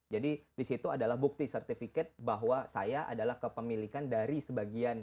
jadi di situ adalah bukti sertifikat bahwa saya adalah kepemilikan dari sebagian